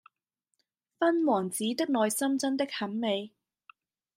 勳王子的內心真的很美